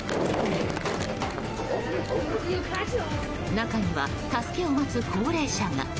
中には助けを待つ高齢者が。